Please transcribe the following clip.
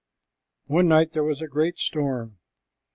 One night there was a great storm.